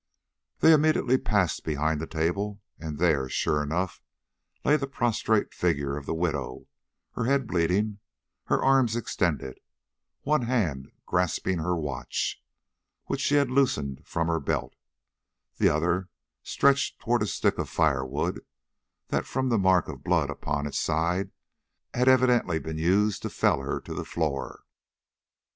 They immediately passed behind the table, and there, sure enough, lay the prostrate figure of the widow, her head bleeding, her arms extended, one hand grasping her watch, which she had loosened from her belt, the other stretched toward a stick of firewood, that, from the mark of blood upon its side, had evidently been used to fell her to the floor.